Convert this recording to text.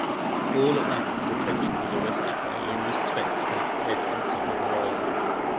All at once, his attention was arrested by a luminous speck straight ahead on the southern horizon.